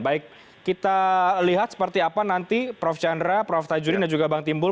baik kita lihat seperti apa nanti prof chandra prof tajudin dan juga bang timbul